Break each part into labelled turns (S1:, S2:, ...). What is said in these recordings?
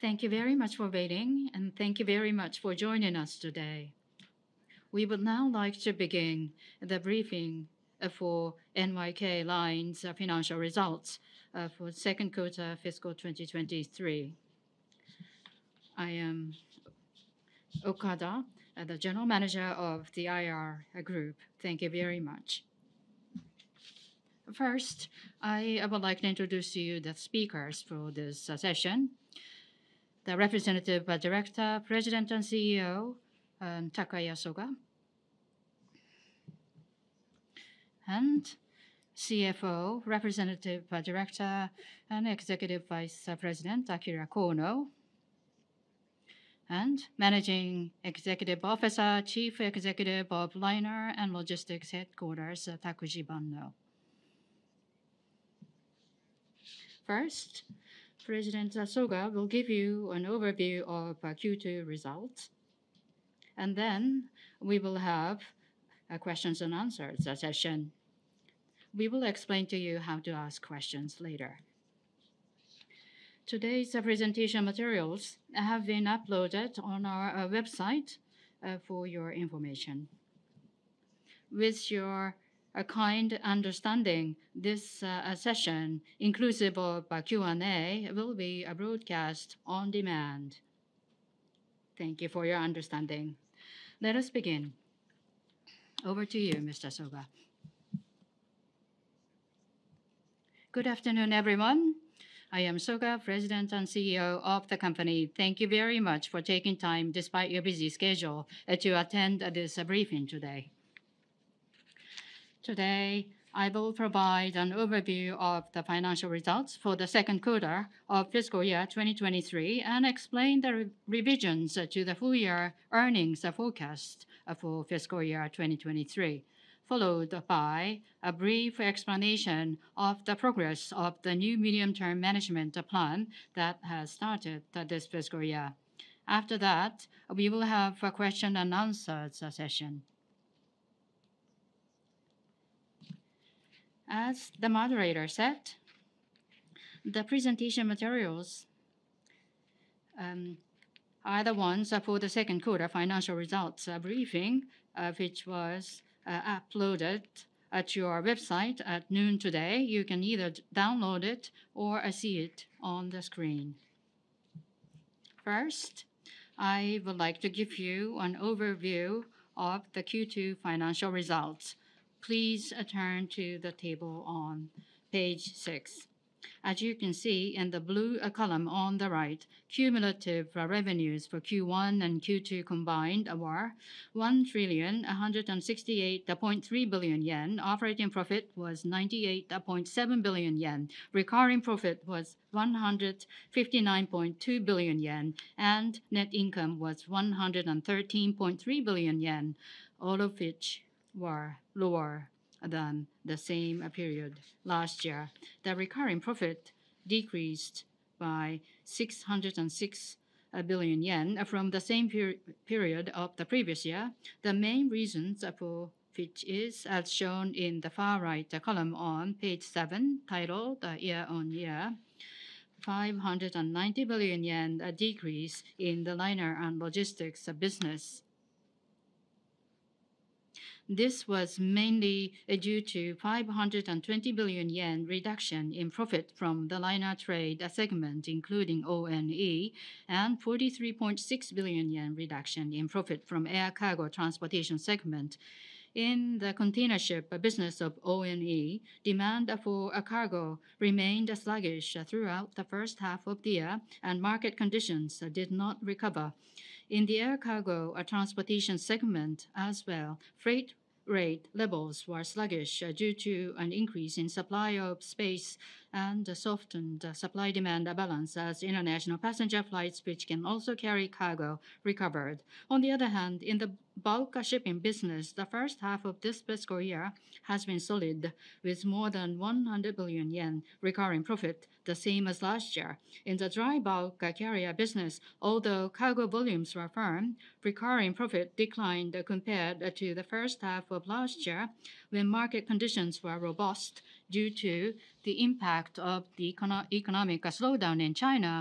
S1: Thank you very much for waiting, and thank you very much for joining us today. We would now like to begin the briefing for NYK Line's financial results for second quarter fiscal 2023. I am Okada, the General Manager of the IR group. Thank you very much. First, I would like to introduce to you the speakers for this session. The Representative Director, President, and CEO, Takaya Soga. And CFO, Representative Director, and Executive Vice President, Akira Kono. And Managing Executive Officer, Chief Executive of Liner and Logistics Headquarters, Takuji Banno. First, President Soga will give you an overview of our Q2 results, and then we will have a questions and answers session. We will explain to you how to ask questions later. Today's presentation materials have been uploaded on our website for your information. With your kind understanding, this session, inclusive of our Q&A, will be broadcast on demand. Thank you for your understanding. Let us begin. Over to you, Mr. Soga.
S2: Good afternoon, everyone. I am Soga, President and CEO of the company. Thank you very much for taking time, despite your busy schedule, to attend this briefing today. Today, I will provide an overview of the financial results for the second quarter of fiscal year 2023, and explain the revisions to the full year earnings forecast for fiscal year 2023, followed by a brief explanation of the progress of the new medium-term management plan that has started this fiscal year. After that, we will have a question and answer session. As the moderator said, the presentation materials are the ones for the second quarter financial results briefing, which was uploaded to our website at noon today. You can either download it or see it on the screen. First, I would like to give you an overview of the Q2 financial results. Please turn to the table on page six. As you can see in the blue column on the right, cumulative revenues for Q1 and Q2 combined were 1,168.3 billion yen. Operating profit was 98.7 billion yen. Recurring profit was 159.2 billion yen, and net income was 113.3 billion yen, all of which were lower than the same period last year. The recurring profit decreased by 606 billion yen from the same period of the previous year. The main reasons for which is, as shown in the far right column on page seven, titled Year on Year, 590 billion yen decrease in the liner and logistics business. This was mainly due to 520 billion yen reduction in profit from the liner trade segment, including O&E, and 43.6 billion yen reduction in profit from air cargo transportation segment. In the container ship business of O&E, demand for cargo remained sluggish throughout the first half of the year, and market conditions did not recover. In the air cargo transportation segment as well, freight rate levels were sluggish due to an increase in supply of space and a softened supply-demand balance as international passenger flights, which can also carry cargo, recovered. On the other hand, in the bulk shipping business, the first half of this fiscal year has been solid, with more than 100 billion yen recurring profit, the same as last year. In the dry bulk carrier business, although cargo volumes were firm, recurring profit declined compared to the first half of last year, when market conditions were robust due to the impact of the economic slowdown in China,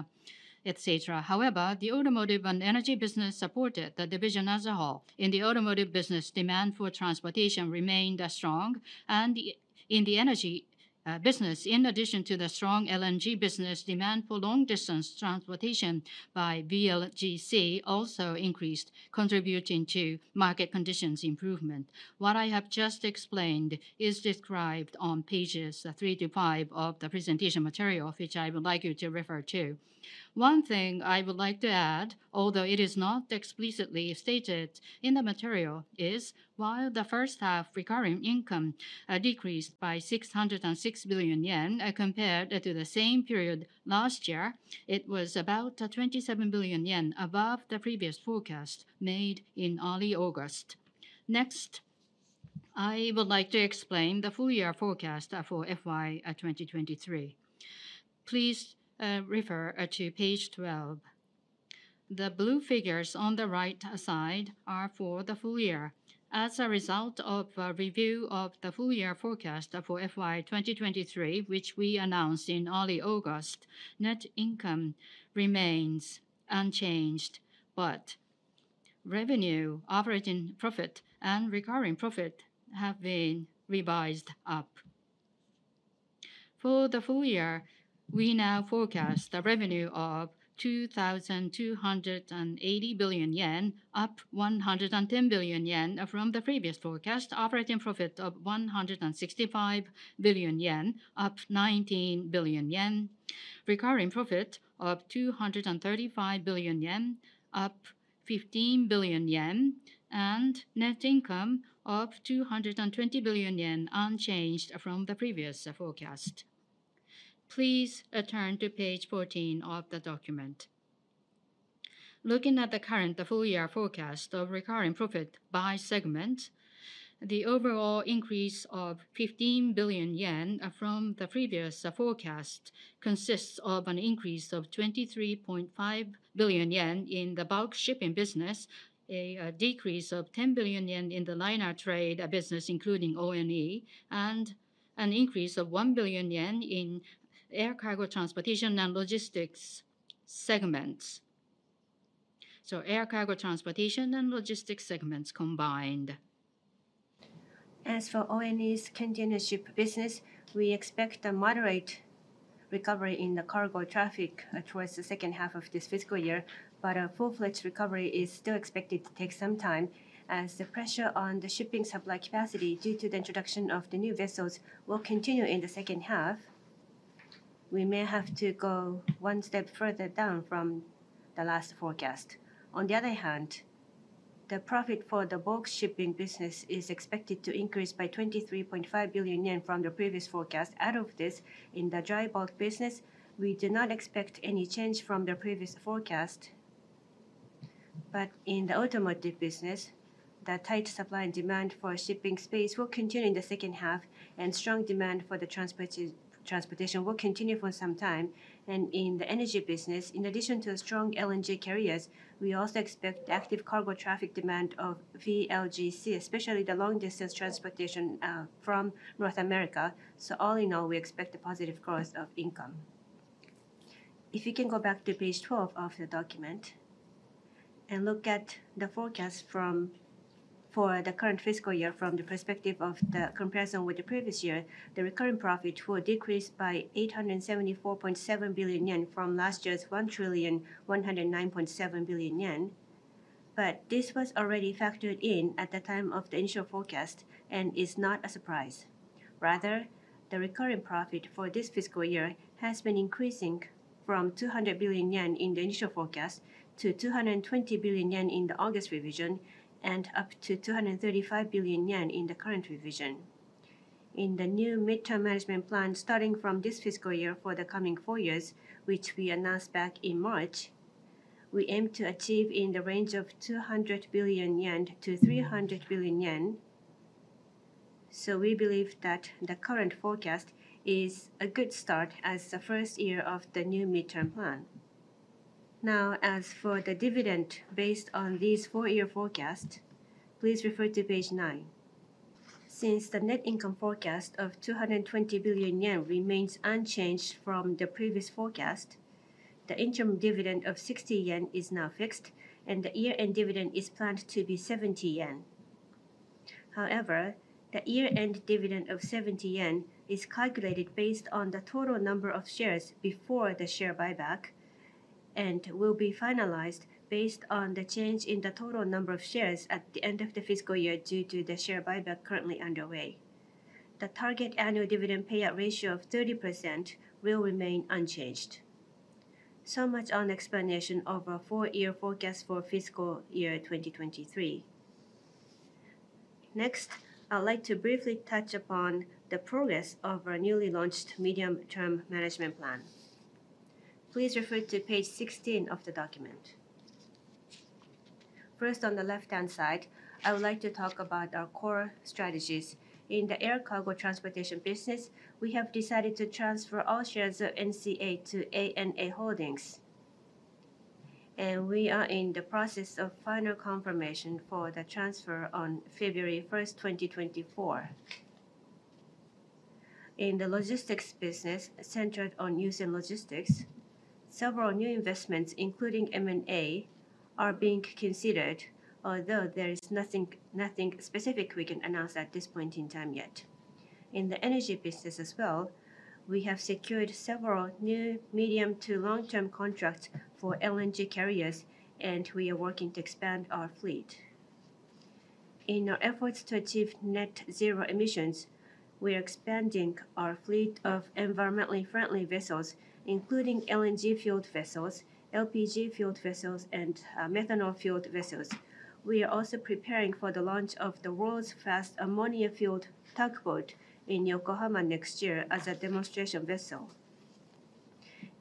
S2: et cetera. However, the automotive and energy business supported the division as a whole. In the automotive business, demand for transportation remained strong, and the... In the energy business, in addition to the strong LNG business, demand for long-distance transportation by VLGC also increased, contributing to market conditions improvement. What I have just explained is described on pages three-five of the presentation material, which I would like you to refer to. One thing I would like to add, although it is not explicitly stated in the material, is while the first half recurring income decreased by 606 billion yen compared to the same period last year, it was about 27 billion yen above the previous forecast made in early August. Next, I would like to explain the full year forecast for FY 2023. Please refer to page 12.... The blue figures on the right side are for the full year. As a result of a review of the full year forecast for FY 2023, which we announced in early August, net income remains unchanged, but revenue, operating profit, and recurring profit have been revised up. For the full year, we now forecast a revenue of 2,280 billion yen, up 110 billion yen from the previous forecast. Operating profit of 165 billion yen, up 19 billion yen. Recurring profit of 235 billion yen, up 15 billion yen, and net income of 220 billion yen, unchanged from the previous forecast. Please, turn to page 14 of the document. Looking at the current full-year forecast of recurring profit by segment, the overall increase of 15 billion yen from the previous forecast consists of an increase of 23.5 billion yen in the bulk shipping business, a decrease of 10 billion yen in the liner trade business, including O&E, and an increase of 1 billion yen in air cargo transportation and logistics segments. So air cargo transportation and logistics segments combined. As for O&E's container ship business, we expect a moderate recovery in the cargo traffic towards the second half of this fiscal year, but a full-fledged recovery is still expected to take some time, as the pressure on the shipping supply capacity due to the introduction of the new vessels will continue in the second half. We may have to go one step further down from the last forecast. On the other hand, the profit for the bulk shipping business is expected to increase by 23.5 billion yen from the previous forecast. Out of this, in the dry bulk business, we do not expect any change from the previous forecast. But in the automotive business, the tight supply and demand for shipping space will continue in the second half, and strong demand for the transportation will continue for some time. And in the energy business, in addition to the strong LNG carriers, we also expect active cargo traffic demand of VLGC, especially the long-distance transportation, from North America. So all in all, we expect a positive growth of income. If you can go back to page 12 of the document and look at the forecast for the current fiscal year from the perspective of the comparison with the previous year, the recurring profit will decrease by 874.7 billion yen from last year's 1,109.7 billion yen. But this was already factored in at the time of the initial forecast and is not a surprise. Rather, the recurring profit for this fiscal year has been increasing from 200 billion yen in the initial forecast to 220 billion yen in the August revision, and up to 235 billion yen in the current revision. In the new midterm management plan, starting from this fiscal year for the coming four years, which we announced back in March, we aim to achieve in the range of 200 billion-300 billion yen. So we believe that the current forecast is a good start as the first year of the new midterm plan. Now, as for the dividend based on these four-year forecast, please refer to page nine. Since the net income forecast of 220 billion yen remains unchanged from the previous forecast, the interim dividend of 60 yen is now fixed, and the year-end dividend is planned to be 70 yen. However, the year-end dividend of 70 yen is calculated based on the total number of shares before the share buyback and will be finalized based on the change in the total number of shares at the end of the fiscal year due to the share buyback currently underway. The target annual dividend payout ratio of 30% will remain unchanged. So much on explanation of our four-year forecast for fiscal year 2023. Next, I'd like to briefly touch upon the progress of our newly launched medium-term management plan. Please refer to page 16 of the document. First, on the left-hand side, I would like to talk about our core strategies. In the air cargo transportation business, we have decided to transfer all shares of NCA to ANA Holdings, and we are in the process of final confirmation for the transfer on February 1st, 2024. In the logistics business, centered on Yusen Logistics, several new investments, including M&A, are being considered, although there is nothing, nothing specific we can announce at this point in time yet. In the energy business as well, we have secured several new medium to long-term contracts for LNG carriers, and we are working to expand our fleet. In our efforts to achieve net zero emissions, we are expanding our fleet of environmentally friendly vessels, including LNG-fueled vessels, LPG-fueled vessels, and methanol-fueled vessels. We are also preparing for the launch of the world's first ammonia-fueled tugboat in Yokohama next year as a demonstration vessel.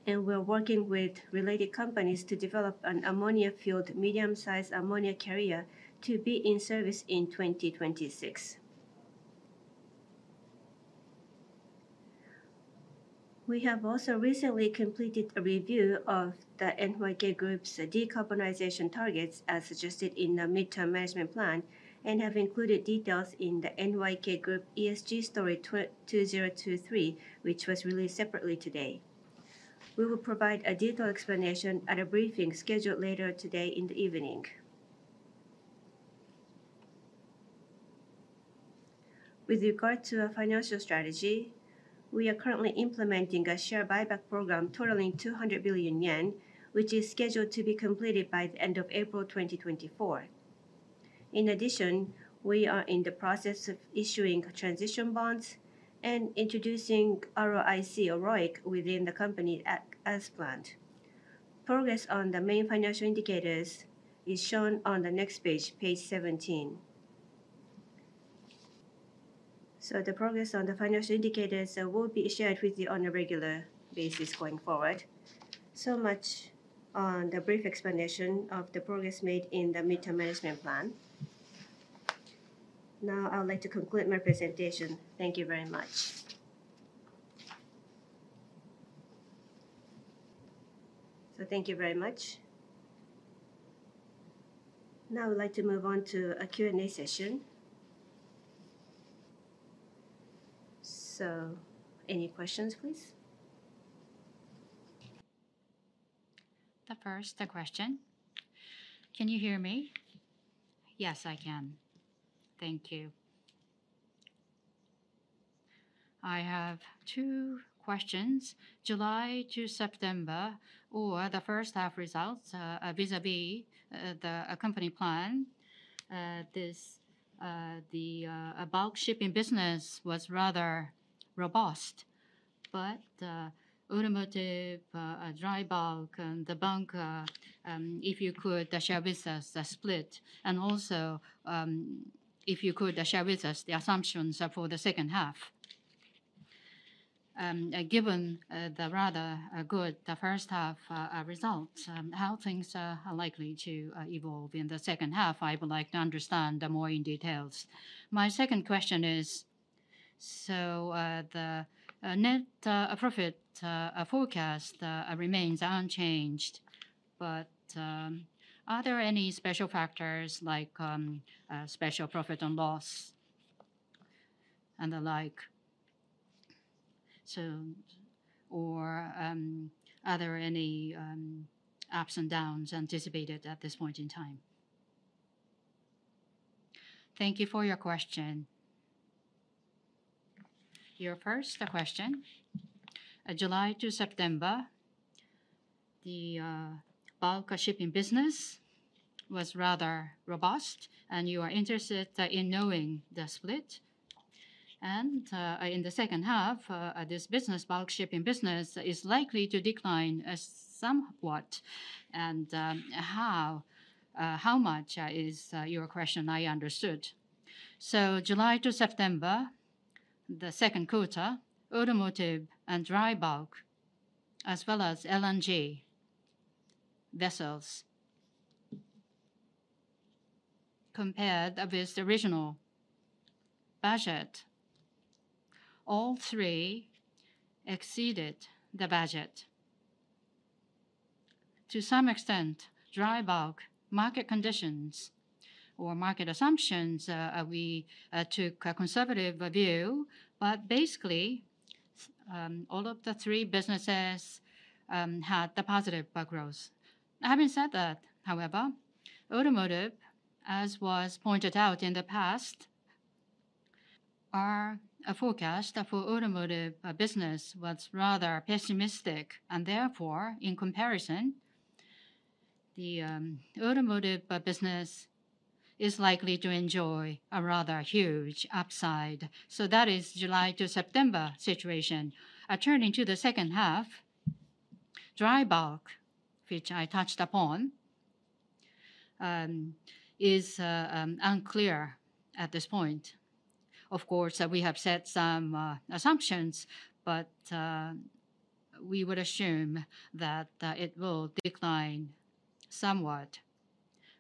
S2: And we are working with related companies to develop an ammonia-fueled, medium-sized ammonia carrier to be in service in 2026. ... We have also recently completed a review of the NYK Group's decarbonization targets, as suggested in the midterm management plan, and have included details in the NYK Group ESG Story 2023, which was released separately today. We will provide a detailed explanation at a briefing scheduled later today in the evening. With regard to our financial strategy, we are currently implementing a share buyback program totaling 200 billion yen, which is scheduled to be completed by the end of April 2024. In addition, we are in the process of issuing transition bonds and introducing ROIC, or ROIC, within the company as planned. Progress on the main financial indicators is shown on the next page, page 17. So the progress on the financial indicators will be shared with you on a regular basis going forward. So much on the brief explanation of the progress made in the midterm management plan. Now I would like to conclude my presentation. Thank you very much.
S1: So thank you very much. Now I'd like to move on to a Q&A session. So, any questions, please?
S3: The first, the question. Can you hear me?
S1: Yes, I can.
S3: Thank you. I have two questions. July to September, or the first half results, vis-à-vis the company plan. The bulk shipping business was rather robust, but, automotive, dry bulk, and the bunker, if you could, share with us the split. And also, if you could, share with us the assumptions for the second half.
S2: Given the rather good first half results, how things are likely to evolve in the second half, I would like to understand more in details. My second question is, so, the net profit forecast remains unchanged, but, are there any special factors like, special profit and loss and the like? So... Or, are there any, ups and downs anticipated at this point in time?
S1: Thank you for your question. Your first question, July to September, the bulker shipping business was rather robust, and you are interested in knowing the split. And, in the second half, this business, bulk shipping business, is likely to decline, somewhat. And, how much is your question, I understood. So July to September, the second quarter, automotive and dry bulk, as well as LNG vessels, compared with the original budget, all three exceeded the budget. To some extent, dry bulk, market conditions or market assumptions, we took a conservative view, but basically, all of the three businesses had the positive bulk growth. Having said that, however, automotive, as was pointed out in the past, our forecast for automotive business was rather pessimistic, and therefore, in comparison, the automotive business is likely to enjoy a rather huge upside. So that is July to September situation. Turning to the second half, dry bulk, which I touched upon, is unclear at this point. Of course, we have set some assumptions, but we would assume that it will decline somewhat.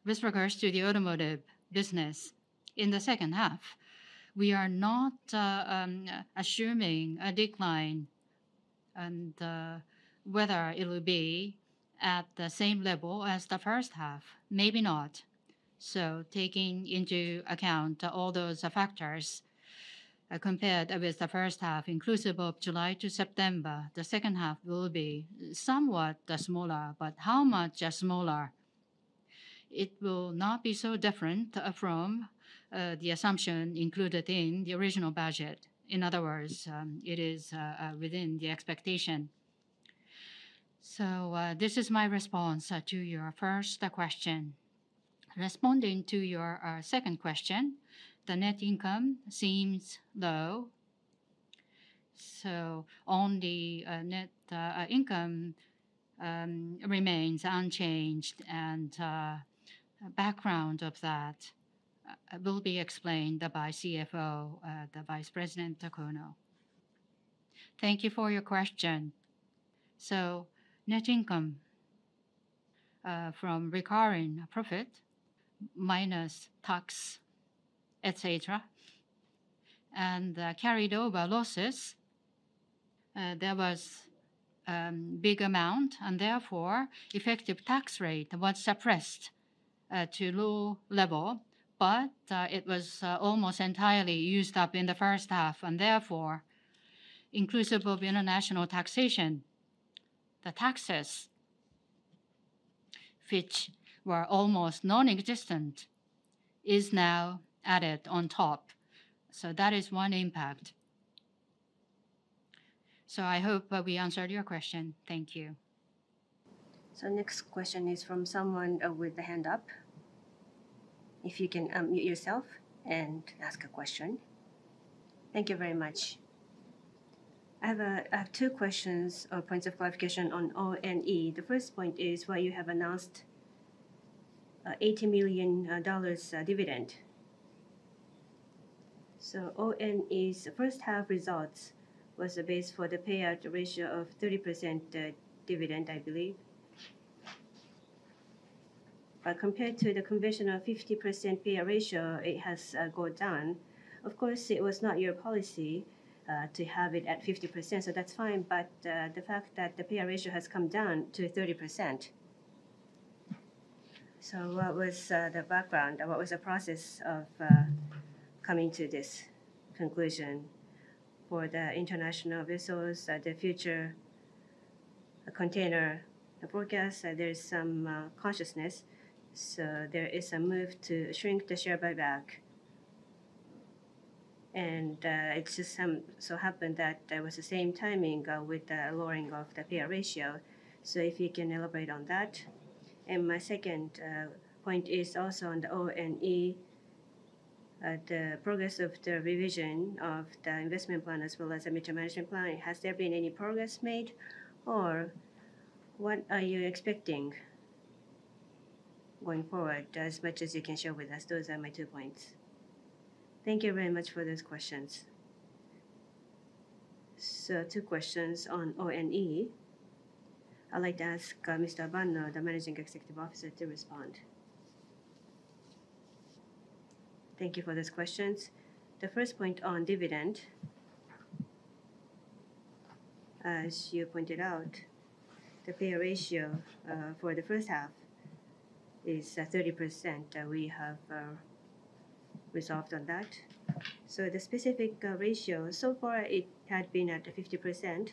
S1: With regards to the automotive business, in the second half, we are not assuming a decline and whether it will be at the same level as the first half, maybe not. So taking into account all those factors, compared with the first half, inclusive of July to September, the second half will be somewhat smaller, but how much smaller? It will not be so different from the assumption included in the original budget. In other words, it is within the expectation. So this is my response to your first question. Responding to your second question, the net income seems low, so only net income remains unchanged, and background of that will be explained by CFO, the Vice President Kono. Thank you for your question. So net income-...
S2: from recurring profit minus tax, et cetera. And, carried over losses, there was, big amount, and therefore, effective tax rate was suppressed, to low level. But, it was, almost entirely used up in the first half, and therefore, inclusive of international taxation, the taxes, which were almost non-existent, is now added on top. So that is one impact. So I hope that we answered your question. Thank you.
S1: So next question is from someone, with a hand up. If you can, unmute yourself and ask a question. Thank you very much.
S4: I have, I have two questions or points of clarification on O&E. The first point is why you have announced, $80 million dividend. So O&E's first half results was the base for the payout ratio of 30% dividend, I believe. But compared to the conventional 50% payout ratio, it has gone down. Of course, it was not your policy to have it at 50%, so that's fine, but the fact that the payout ratio has come down to 30%. So what was the background, and what was the process of coming to this conclusion? For the international vessels, the future container, the forecast, there is some consciousness, so there is a move to shrink the share buyback. And it just so happened that there was the same timing with the lowering of the payout ratio. So if you can elaborate on that. And my second point is also on the O&E, the progress of the revision of the investment plan, as well as the mid-term management plan. Has there been any progress made, or what are you expecting going forward, as much as you can share with us? Those are my two points.
S1: Thank you very much for those questions. So two questions on O&E. I'd like to ask, Mr. Banno, the Managing Executive Officer, to respond.
S5: Thank you for those questions. The first point on dividend, as you pointed out, the payout ratio for the first half is 30%. We have resolved on that. So the specific ratio, so far it had been at 50%,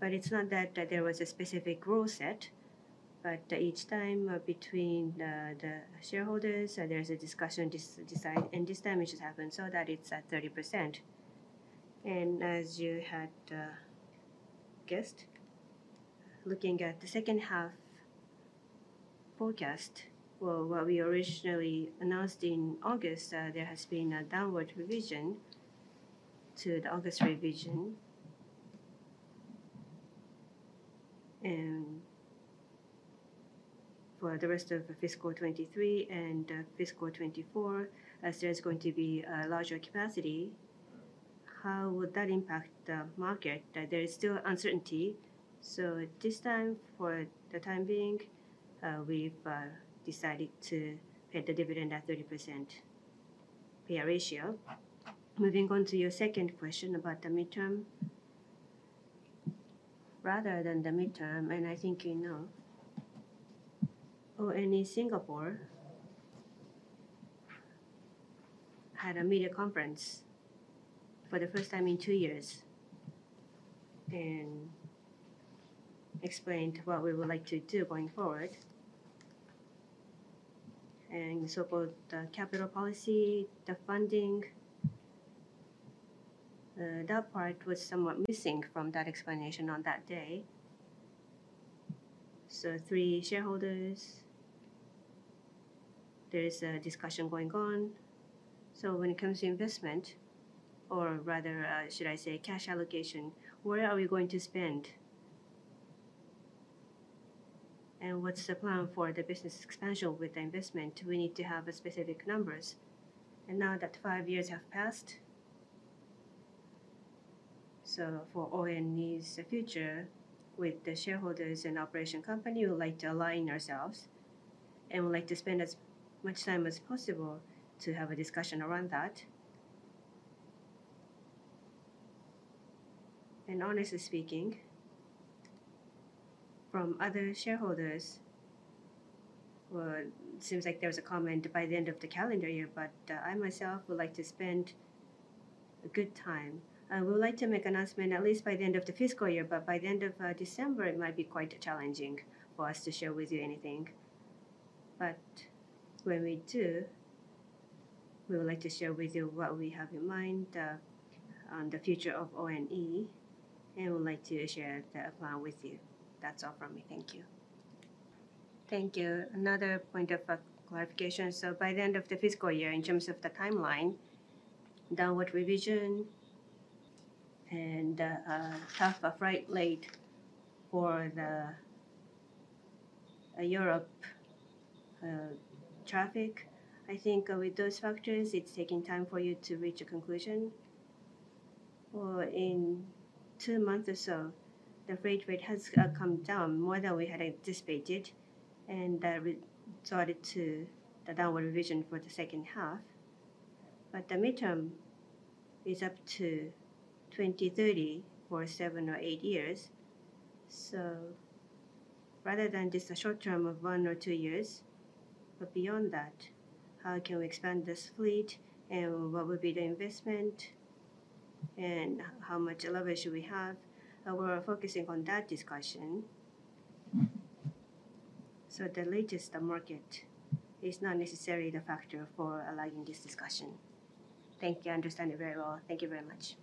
S5: but it's not that there was a specific rule set. But each time, between the shareholders, there's a discussion to decide, and this time it just happened so that it's at 30%. As you had guessed, looking at the second half forecast for what we originally announced in August, there has been a downward revision to the August revision. For the rest of fiscal 2023 and fiscal 2024, as there's going to be a larger capacity, how would that impact the market? There is still uncertainty, so at this time, for the time being, we've decided to pay the dividend at 30% payout ratio. Moving on to your second question about the midterm. Rather than the midterm, and I think you know, O&E Singapore had a media conference for the first time in two years, and explained what we would like to do going forward. So both the capital policy, the funding, that part was somewhat missing from that explanation on that day. So three shareholders, there is a discussion going on. So when it comes to investment, or rather, should I say cash allocation, where are we going to spend? And what's the plan for the business expansion with the investment? We need to have specific numbers. And now that five years have passed, so for O&E's future with the shareholders and operation company, we would like to align ourselves, and we'd like to spend as much time as possible to have a discussion around that. And honestly speaking, from other shareholders, well, it seems like there was a comment by the end of the calendar year, but, I, myself, would like to spend a good time. I would like to make announcement at least by the end of the fiscal year, but by the end of December, it might be quite challenging for us to share with you anything. But when we do, we would like to share with you what we have in mind on the future of O&E, and we would like to share the plan with you. That's all from me. Thank you.
S1: Thank you. Another point of clarification. So by the end of the fiscal year, in terms of the timeline, downward revision and tough freight rate for the Europe traffic. I think with those factors, it's taking time for you to reach a conclusion. Well, in two months or so, the freight rate has come down more than we had anticipated, and that restarted to the downward revision for the second half. But the midterm is up to 2030 for seven or eight years. So rather than just a short term of one or two years, but beyond that, how can we expand this fleet, and what would be the investment, and how much leverage should we have? We are focusing on that discussion. So the latest, the market, is not necessarily the factor for aligning this discussion.
S4: Thank you. I understand it very well. Thank you very much.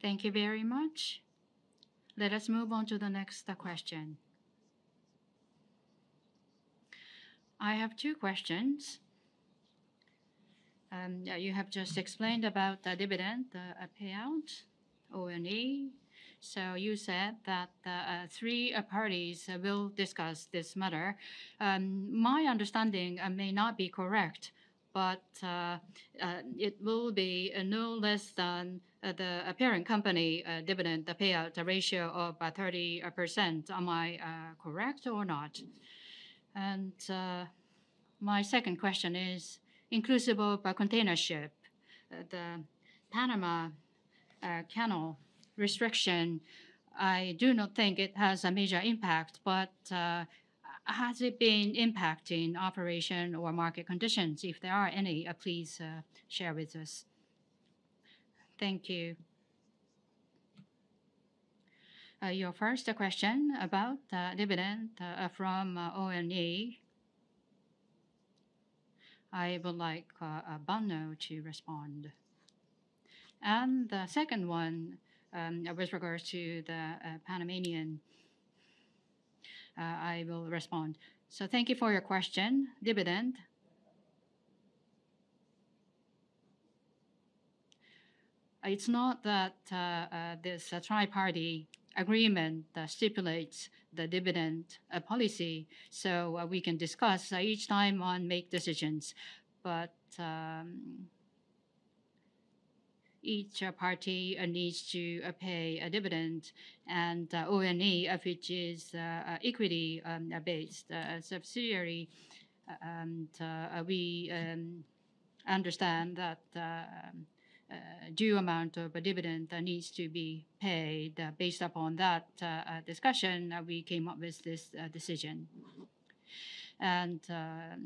S1: Thank you very much. Let us move on to the next question.
S6: I have two questions. Yeah, you have just explained about the dividend, the payout, O&E. So you said that three parties will discuss this matter. My understanding may not be correct, but it will be no less than the parent company dividend payout ratio of 30%. Am I correct or not? And my second question is, inclusive of container ship, the Panama Canal restriction, I do not think it has a major impact, but has it been impacting operation or market conditions? If there are any, please share with us. Thank you.
S1: Your first question about dividend from O&E, I would like Banno to respond. The second one, with regards to the Panamanian, I will respond. So thank you for your question. Dividend? It's not that this triparty agreement stipulates the dividend policy, so we can discuss each time and make decisions. But each party needs to pay a dividend, and O&E, which is an equity-based subsidiary, and we understand that due amount of a dividend needs to be paid. Based upon that discussion, we came up with this decision. And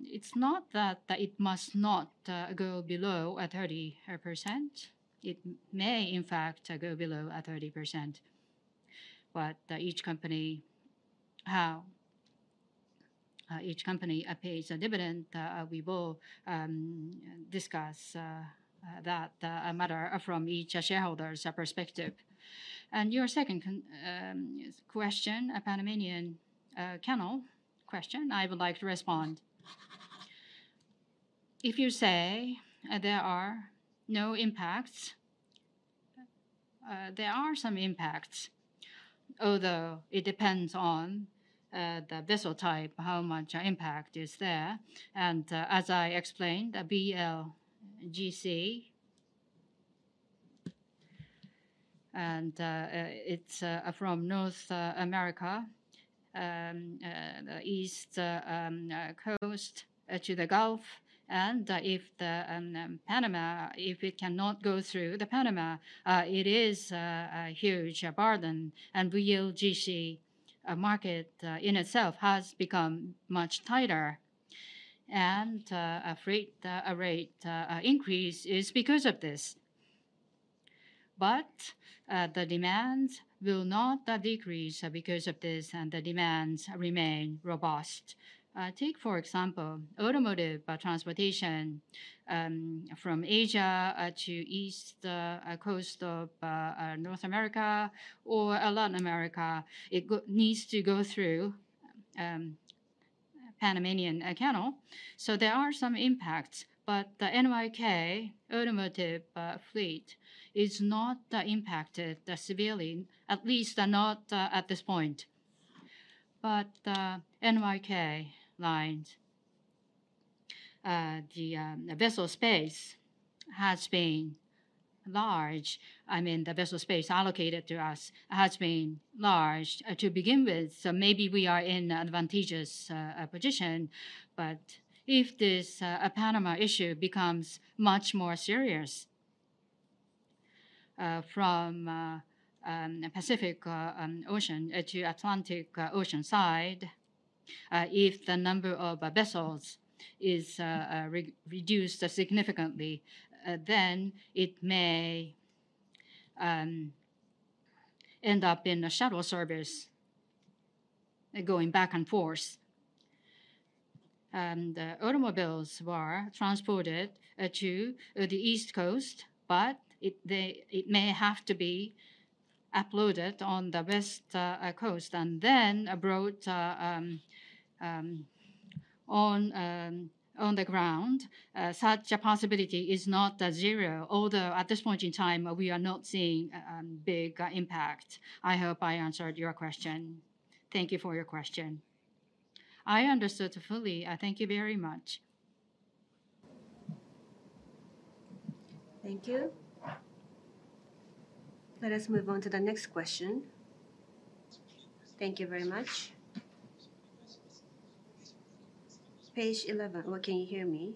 S1: it's not that that it must not go below 30%. It may, in fact, go below 30%, but each company, how each company pays a dividend, we will discuss that matter from each shareholder's perspective. And your second question, a Panama Canal question, I would like to respond. If you say there are no impacts, there are some impacts, although it depends on the vessel type, how much impact is there. And, as I explained, VLGC, and it's from North America, the East Coast to the Gulf. And, if the Panama Canal, if it cannot go through the Panama Canal, it is a huge burden. And VLGC market in itself has become much tighter, and a freight rate increase is because of this. But, the demand will not decrease because of this, and the demands remain robust. Take for example, automotive transportation from Asia to East Coast of North America or Latin America. It needs to go through Panama Canal. So there are some impacts, but the NYK automotive fleet is not impacted severely, at least not at this point. But, NYK Line, the vessel space has been large. I mean, the vessel space allocated to us has been large to begin with, so maybe we are in advantageous position. But if this Panama issue becomes much more serious, from Pacific Ocean to Atlantic Ocean side, if the number of vessels is reduced significantly, then it may end up in a shuttle service going back and forth. And automobiles were transported to the East Coast, but it may have to be uploaded on the West Coast, and then abroad on the ground. Such a possibility is not zero, although at this point in time, we are not seeing big impact. I hope I answered your question. Thank you for your question.
S6: I understood fully. I thank you very much.
S7: Thank you. Let us move on to the next question. Thank you very much. Page 11. Well, can you hear me?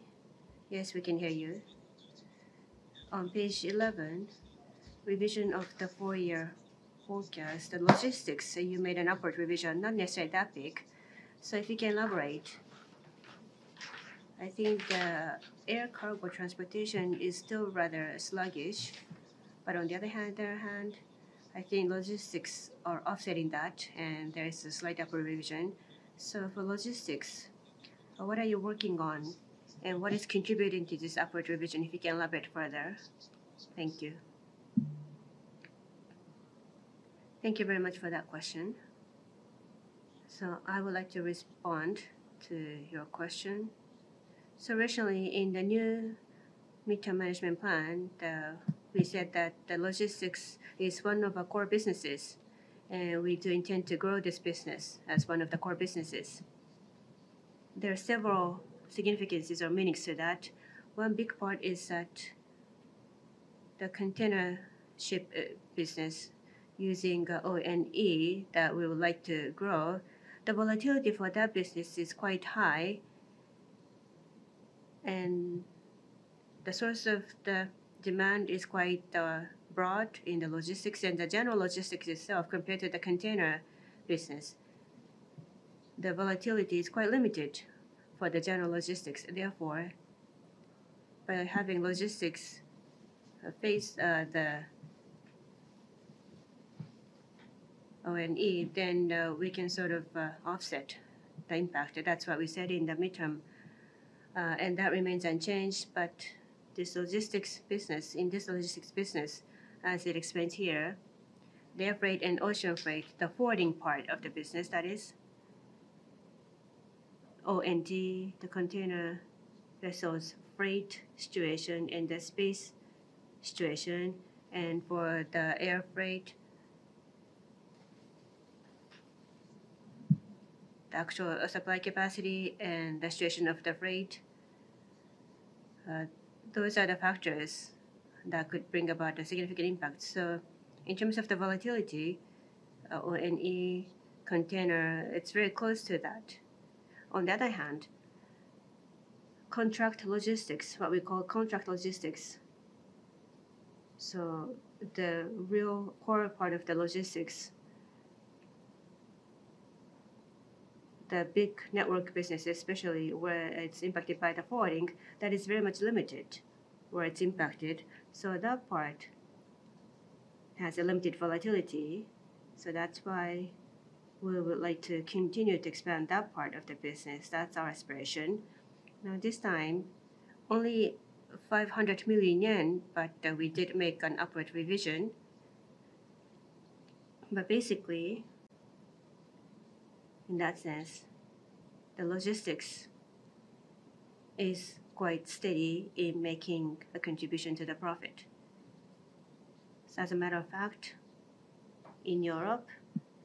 S1: Yes, we can hear you.
S8: On page 11, revision of the four-year forecast, the logistics, you made an upward revision, not necessarily that big. So if you can elaborate? I think, air cargo transportation is still rather sluggish, but on the other hand, I think logistics are offsetting that, and there is a slight upward revision. So for logistics, what are you working on, and what is contributing to this upward revision, if you can elaborate further? Thank you.
S1: Thank you very much for that question. So I would like to respond to your question. So recently, in the new midterm management plan, we said that the logistics is one of our core businesses, and we do intend to grow this business as one of the core businesses. There are several significances or meanings to that. One big part is that the container ship business using O&E, that we would like to grow, the volatility for that business is quite high. And the source of the demand is quite broad in the logistics. And the general logistics itself, compared to the container business, the volatility is quite limited for the general logistics. Therefore, by having logistics face the O&E, then we can sort of offset the impact. That's what we said in the midterm, and that remains unchanged. But this logistics business, in this logistics business, as it explains here, the air freight and ocean freight, the forwarding part of the business, that is, O&D, the container vessels, freight situation and the space situation, and for the air freight... The actual supply capacity and the situation of the freight, those are the factors that could bring about a significant impact. So in terms of the volatility, O&E container, it's very close to that. On the other hand, contract logistics, what we call contract logistics, so the real core part of the logistics, the big network business, especially where it's impacted by the forwarding, that is very much limited, where it's impacted. So that part has a limited volatility, so that's why we would like to continue to expand that part of the business. That's our aspiration. Now, this time, only 500 million yen, but, we did make an upward revision. But basically, in that sense, the logistics is quite steady in making a contribution to the profit. So as a matter of fact, in Europe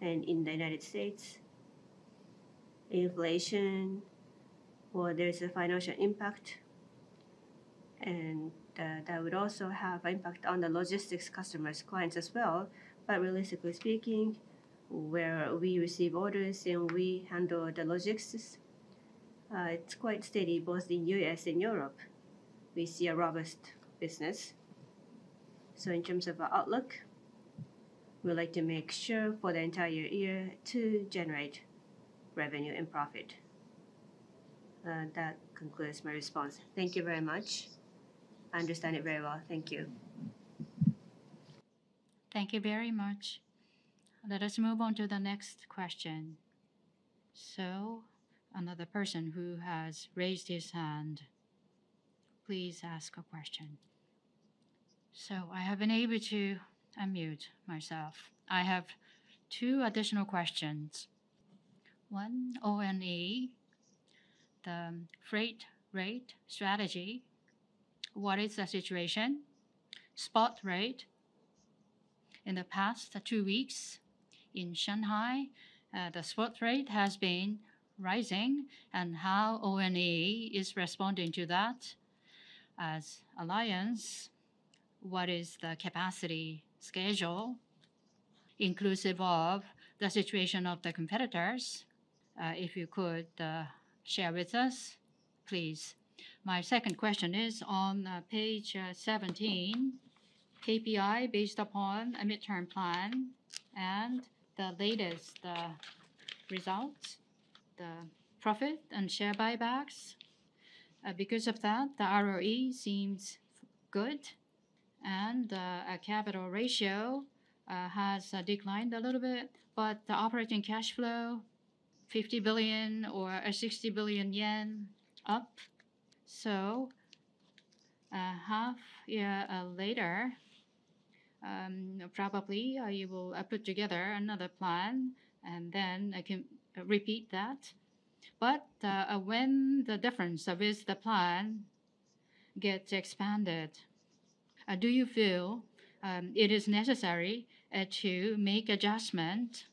S1: and in the United States, inflation, well, there is a financial impact, and, that would also have an impact on the logistics customers, clients as well. But realistically speaking, where we receive orders and we handle the logistics, it's quite steady. Both in U.S. and Europe, we see a robust business. So in terms of our outlook, we'd like to make sure for the entire year to generate revenue and profit. That concludes my response.
S2: Thank you very much. I understand it very well. Thank you.
S1: Thank you very much. Let us move on to the next question. Another person who has raised his hand, please ask a question.
S6: I have been able to unmute myself. I have two additional questions. One, O&E, the freight rate strategy, what is the situation? Spot rate in the past two weeks in Shanghai, the spot rate has been rising, and how O&E is responding to that? As THE Alliance, what is the capacity schedule inclusive of the situation of the competitors? If you could share with us, please. My second question is on page 17, KPI, based upon a midterm plan and the latest results, the profit and share buybacks. Because of that, the ROE seems good, and a capital ratio has declined a little bit, but the operating cash flow, 50 billion or 60 billion yen up. So, half, yeah, later, probably you will put together another plan, and then I can repeat that. But, when the difference of is the plan gets expanded. Do you feel it is necessary to make adjustment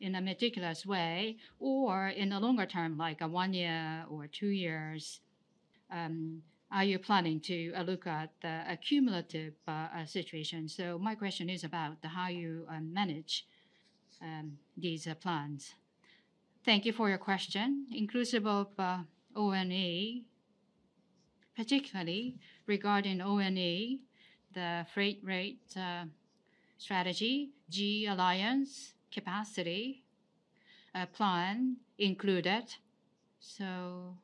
S6: in a meticulous way, or in the longer term, like a one year or two years, are you planning to look at the accumulative situation? So my question is about the how you manage these plans.
S1: Thank you for your question. Inclusive of O&E, particularly regarding O&E, the freight rate strategy, THE Alliance capacity plan included. So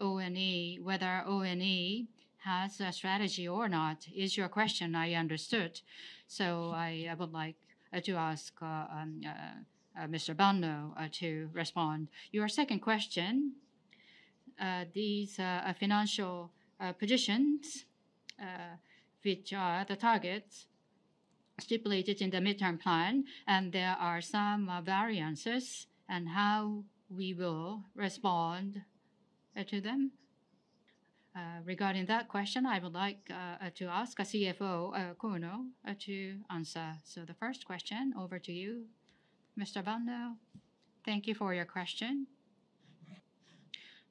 S1: O&E, whether O&E has a strategy or not, is your question, I understood. So I would like to ask Mr. Banno to respond. Your second question, these financial positions which are the targets stipulated in the midterm plan, and there are some variances and how we will respond to them. Regarding that question, I would like to ask our CFO, Kono, to answer. So the first question, over to you, Mr. Banno.
S5: Thank you for your question.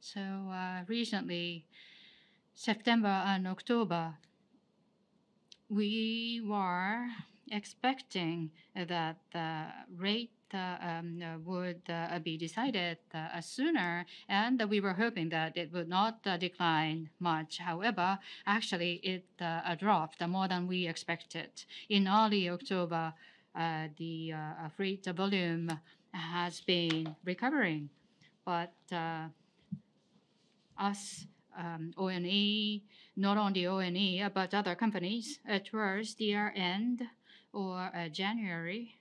S5: So, recently, September and October, we were expecting that the rate would be decided sooner, and we were hoping that it would not decline much. However, actually, it dropped more than we expected. In early October, the freight volume has been recovering. But O&E, not only O&E, but other companies, towards year-end or January,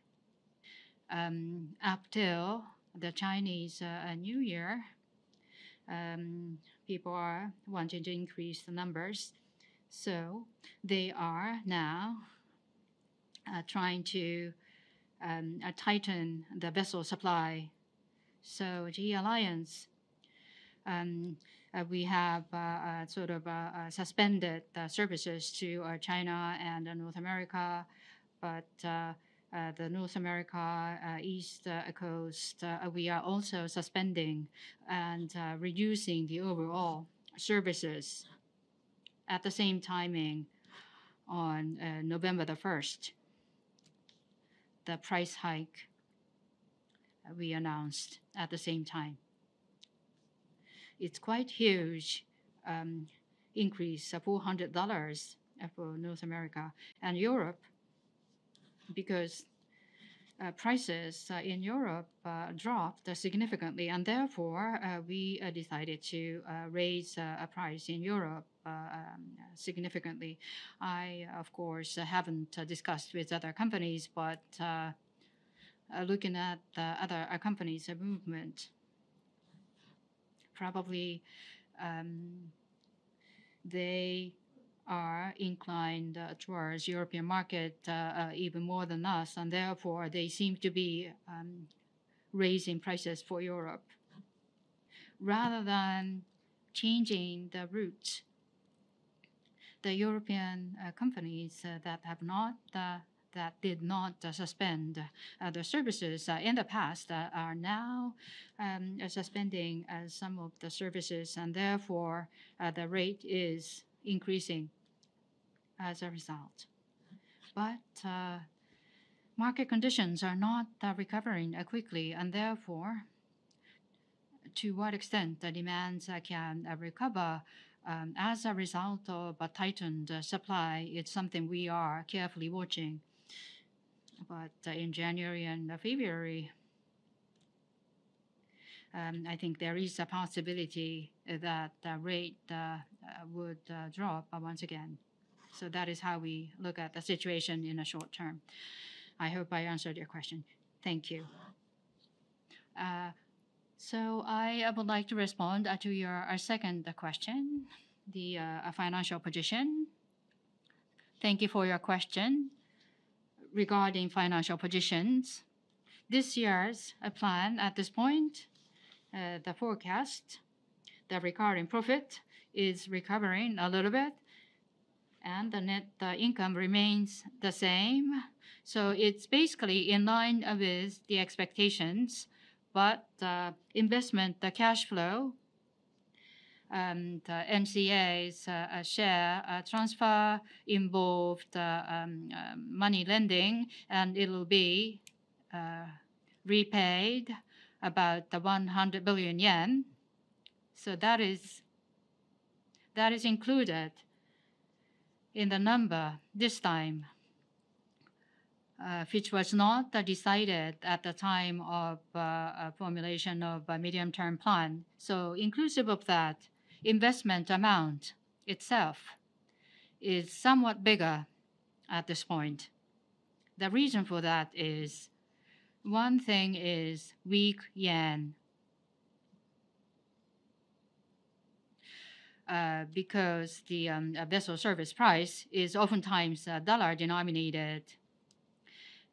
S5: up till the Chinese New Year, people are wanting to increase the numbers, so they are now trying to tighten the vessel supply. So THE Alliance, we have sort of suspended the services to China and North America, but the North America East Coast we are also suspending and reducing the overall services. At the same timing, on November 1, the price hike we announced at the same time. It's quite huge increase, $400 for North America and Europe, because prices in Europe dropped significantly, and therefore we decided to raise price in Europe significantly. I, of course, haven't discussed with other companies, but, looking at the other companies' movement, probably, they are inclined towards European market, even more than us, and therefore, they seem to be raising prices for Europe. Rather than changing the routes, the European companies that have not, that did not suspend the services in the past are now suspending some of the services, and therefore, the rate is increasing as a result. But, market conditions are not recovering quickly, and therefore, to what extent the demands can recover as a result of a tightened supply, it's something we are carefully watching. But, in January and February, I think there is a possibility that the rate would drop once again. So that is how we look at the situation in a short term. I hope I answered your question.
S6: Thank you.
S9: So I would like to respond to your second question, the financial position. Thank you for your question regarding financial positions. This year's plan at this point, the forecast, the recurring profit is recovering a little bit, and the net income remains the same. So it's basically in line with the expectations, but the investment, the cash flow, and NCA's share transfer involved money lending, and it'll be repaid about 100 billion yen. So that is included in the number this time, which was not decided at the time of formulation of a medium-term plan. So inclusive of that investment amount itself is somewhat bigger at this point. The reason for that is, one thing is weak yen, because the vessel service price is oftentimes dollar-denominated,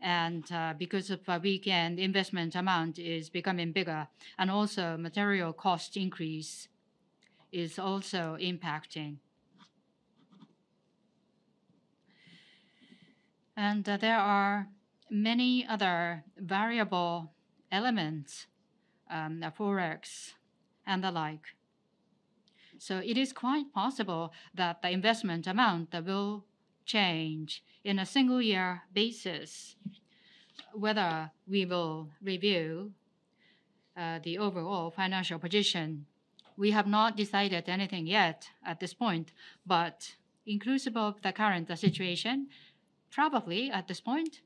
S9: and because of our weakened investment amount is becoming bigger, and also material cost increase is also impacting. And there are many other variable elements, the Forex and the like. So it is quite possible that the investment amount that will change in a single year basis, whether we will review the overall financial position. We have not decided anything yet at this point, but inclusive of the current situation, probably at this point,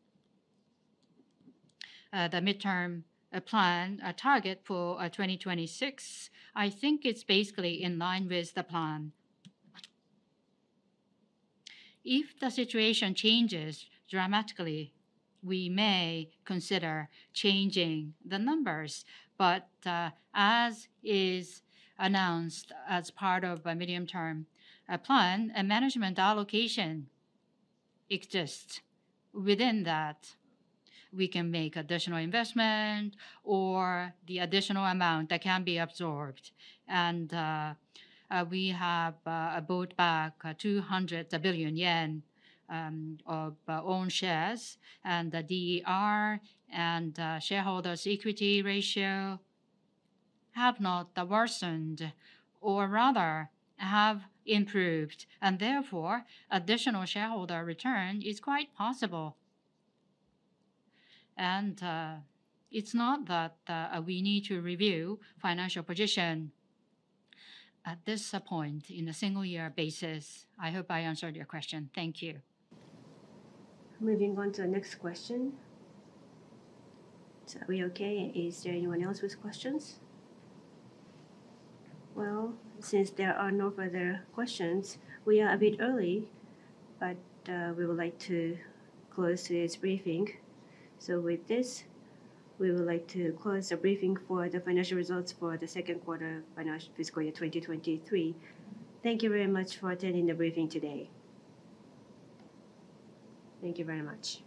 S9: the midterm plan target for 2026, I think it's basically in line with the plan. If the situation changes dramatically, we may consider changing the numbers. But, as is announced as part of a medium-term plan, a management allocation exists within that. We can make additional investment or the additional amount that can be absorbed. And, we have bought back 200 billion yen of our own shares, and the DER and shareholders' equity ratio have not worsened, or rather have improved, and therefore, additional shareholder return is quite possible. And, it's not that we need to review financial position at this point in a single year basis. I hope I answered your question. Thank you.
S1: Moving on to the next question. So are we okay? Is there anyone else with questions? Well, since there are no further questions, we are a bit early, but we would like to close this briefing. So with this, we would like to close the briefing for the financial results for the second quarter financial fiscal year 2023. Thank you very much for attending the briefing today. Thank you very much.